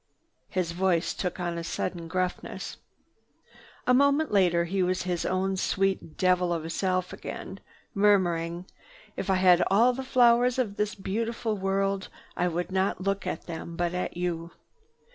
His voice took on a sudden gruffness. A moment later he was his own sweet devil of a self again, murmuring: "If I had all the flowers of this beautiful world I would not look at them, but at you.